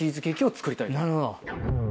なるほど。